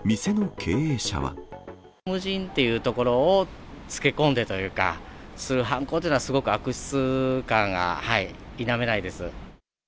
無人というところをつけ込んでというか、する犯行というのはすごく悪質感が否めないです。